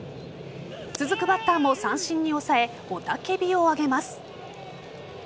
続くバッターも三振に抑え雄叫びをあげます。